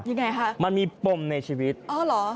ยังไงคะมันมีปมในชีวิตอ๋อเหรอ